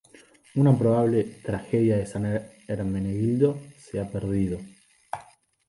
Una probable "Tragedia de San Hermenegildo" se ha perdido.